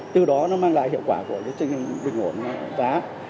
từ đó nó mang lại hiệu quả của cái chương trình bình ổn giá